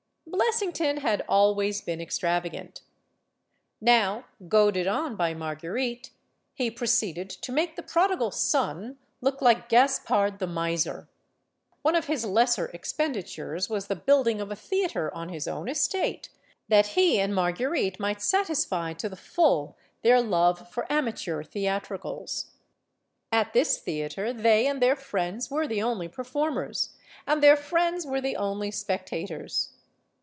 Blessington had always been extravagant. Now, goaded on by Marguerite, he proceeded to make the Prodigal Son look like Gaspard the Miser. One of his lesser expenditures was the building of a theater on his own estate, that he and Marguerite might satisfy to the full their love for amateur theatricals. At this theater they and their friends were the only performers, and their friends were the only spectators.